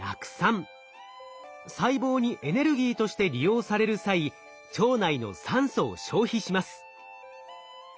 細胞にエネルギーとして利用される際腸内の酸素を消費します。